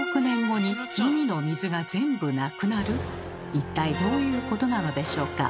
一体どういうことなのでしょうか。